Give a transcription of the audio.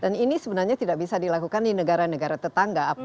dan ini sebenarnya tidak bisa dilakukan di negara negara tetangga